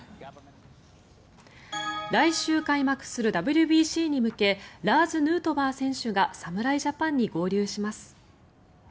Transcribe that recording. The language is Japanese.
来週開幕するＷＢＣに向けラーズ・ヌートバー選手が侍ジャパンに合流します。